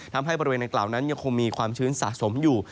ทำให้บริเวณดังกล่าวนั้นยังคงมีความชื้นสะสมอยู่